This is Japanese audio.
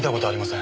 ん？